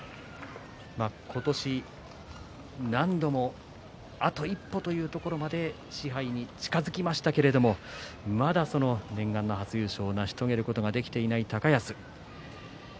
今年何度もあと一歩というところまで賜盃に近づけましたけれどもまだ念願の初優勝を成し遂げることができていない高安。